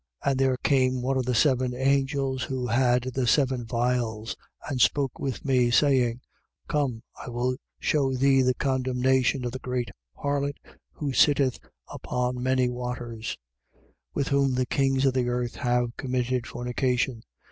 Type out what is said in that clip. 17:1. And there came one of the seven angels who had the seven vials and spoke with me, saying: Come, I will shew thee the condemnation of the great harlot, who sitteth upon many waters: 17:2. With whom the kings of the earth have committed fornication.